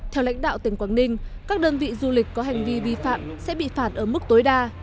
theo lãnh đạo tỉnh quảng ninh các đơn vị du lịch có hành vi vi phạm sẽ bị phạt ở mức tối đa